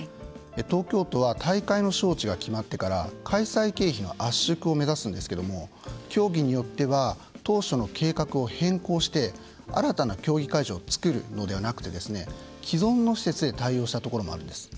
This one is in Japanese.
東京都は大会の招致が決まってから開催経費の圧縮を目指すんですけど競技によっては当初の計画を変更して新たな競技会場を造るのではなくて既存の施設で対応したところもあるのです。